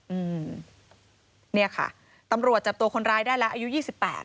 อืมเนี่ยค่ะตำรวจจับตัวคนร้ายได้แล้วอายุยี่สิบแปด